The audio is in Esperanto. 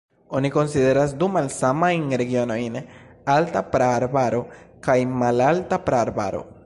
Oni konsideras du malsamajn regionojn: alta praarbaro kaj malalta praarbaro.